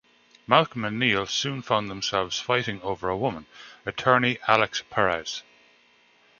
Malcolm and Neil soon found themselves fighting over a woman, attorney Alex Perez.